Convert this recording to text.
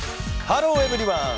ハローエブリワン！